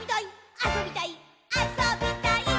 あそびたいっ！！」